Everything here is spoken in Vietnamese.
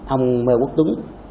ông mai quốc túng